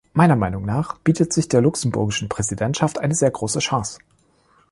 Meiner Meinung nach bietet sich der luxemburgischen Präsidentschaft eine sehr große Chance.